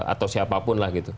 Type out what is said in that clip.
atau siapapun lah gitu